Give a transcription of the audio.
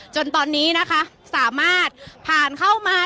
จนตอนนี้นะคะสามารถผ่านเข้ามา